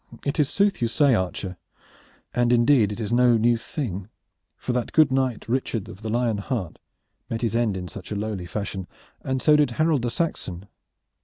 "It is sooth you say, archer, and indeed it is no new thing, for that good knight Richard of the Lion Heart met his end in such a lowly fashion, and so also did Harold the Saxon.